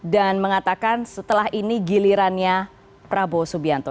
dan mengatakan setelah ini gilirannya prabowo subianto